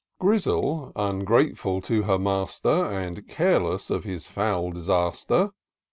Grizzle, ungrateful to her master, And careless of his foul disaster.